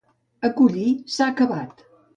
Acollir s'ha acabat.